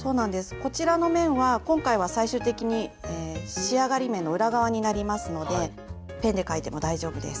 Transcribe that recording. こちらの面は今回は最終的に仕上がり面の裏側になりますのでペンで描いても大丈夫です。